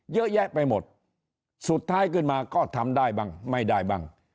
เยอะแยะไปหมดสุดท้ายขึ้นมาก็ทำได้บ้างไม่ได้บ้าง